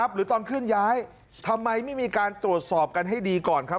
หรือตอนเคลื่อนย้ายทำไมไม่มีการตรวจสอบกันให้ดีก่อนครับ